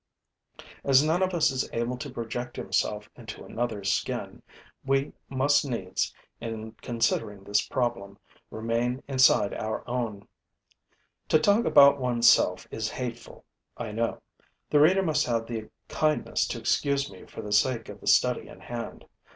As none of us is able to project himself into another's skin, we must needs, in considering this problem, remain inside our own. To talk about one's self is hateful, I know. The reader must have the kindness to excuse me for the sake of the study in hand.